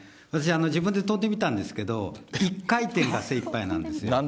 私、自分で跳んでみたんですけれども、１回転が精いっぱいなんですよ。